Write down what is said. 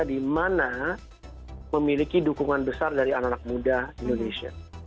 di mana memiliki dukungan besar dari anak anak muda indonesia